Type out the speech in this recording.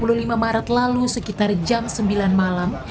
dua puluh lima maret lalu sekitar jam sembilan malam